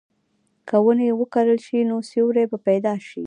که ونې وکرل شي، نو سیوری به پیدا شي.